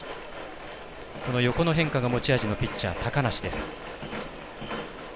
横の変化が持ち味のピッチャー高梨です。